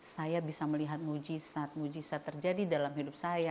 saya bisa melihat mujisat mujizat terjadi dalam hidup saya